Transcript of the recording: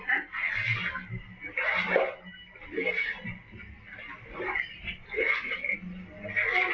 โค้กพี่อายแม่ทำเลยเลย